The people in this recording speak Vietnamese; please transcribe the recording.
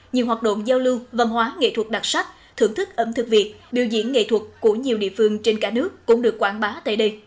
nghệ thuật của nhiều địa phương trên cả nước cũng được quảng bá tại đây